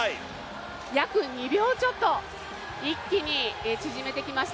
約２秒ちょっと一気に縮めてきました。